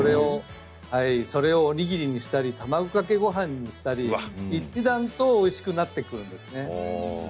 それをおにぎりにしたり卵かけごはんにしたり一段とおいしくなってくるんですね。